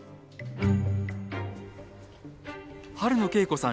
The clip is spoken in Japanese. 春野恵子さん